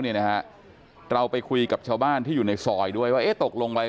เนี่ยนะฮะเราไปคุยกับชาวบ้านที่อยู่ในซอยด้วยว่าเอ๊ะตกลงวัย